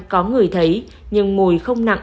có người thấy nhưng mùi không nặng